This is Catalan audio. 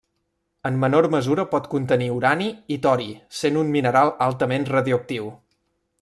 En menor mesura pot contenir urani i tori, sent un mineral altament radioactiu.